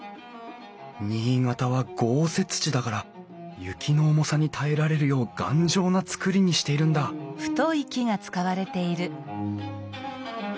新潟は豪雪地だから雪の重さに耐えられるよう頑丈な造りにしているんだおお。